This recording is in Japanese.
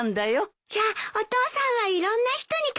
じゃあお父さんはいろんな人に感謝されてるのね。